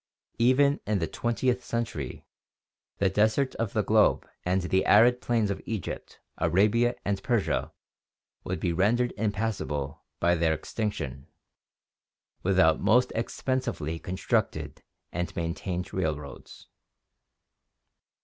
Even in the twentieth century, the deserts of the globe and the arid plains of Egypt, Arabia and Persia would be rendered impassable by their extinction, without the most expensively constructed and maintained railroads.